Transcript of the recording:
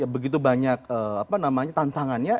begitu banyak tantangannya